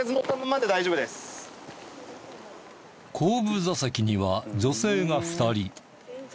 後部座席には女性が２人。